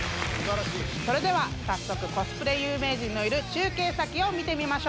それではコスプレ有名人のいる中継先を見てみましょう。